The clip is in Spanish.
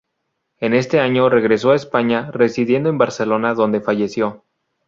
En este año, regresó a España, residiendo en Barcelona, donde falleció.